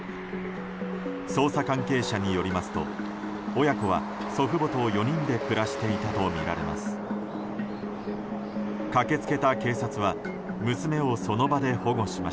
捜査関係者によりますと親子は祖父母と４人で暮らしていたとみられます。